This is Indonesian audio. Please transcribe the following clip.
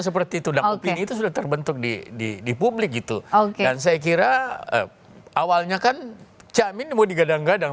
seperti itu dan opini itu sudah terbentuk di di publik gitu oke dan saya kira awalnya kan cakmin mau digadang gadang